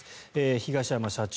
東山社長